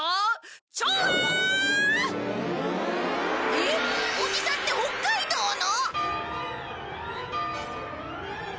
えっおじさんって北海道の！？